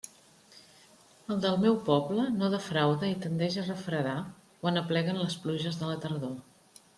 El del meu poble no defrauda i tendeix a refredar quan apleguen les pluges de la tardor.